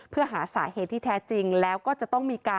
เพื่อหาสาเหตุที่แท้จริง